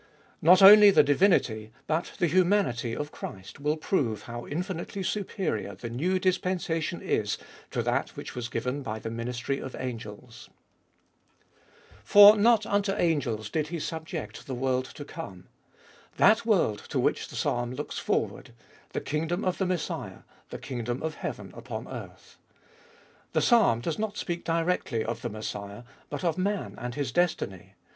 Not only the divinity but the humanity of Christ will prove how infinitely superior the new dispensation is to that which was given by the ministry of angels. 72 abe Doliest of For not unto angels did He subject the world to come, that world to which the Psalm looks forward, the kingdom of the Messiah, the kingdom of heaven upon earth. The Psalm does not speak directly of the Messiah, but of man and his destiny.